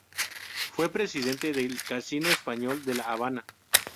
Fue presidente del Casino Español de La Habana.